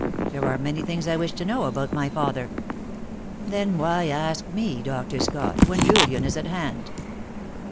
There are many things I wish to know about my father." "Then, why ask me, Dr. Scott, when Julian is at hand?"